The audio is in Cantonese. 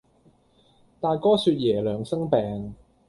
大哥説爺娘生病，